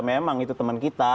memang itu teman kita